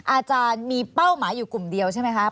อาจารย์มีเป้าหมายอยู่กลุ่มเดียวใช่ไหมคะ